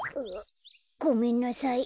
ごめんなさい。